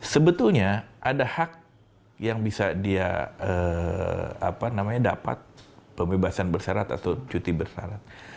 sebetulnya ada hak yang bisa dia dapat pembebasan bersyarat atau cuti bersyarat